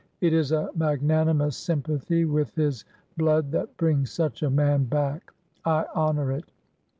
It is a magnanimous sympathy with his blood that brings such a man back. I honor it.